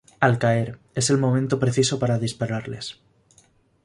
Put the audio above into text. Al caer, es el momento preciso para dispararles.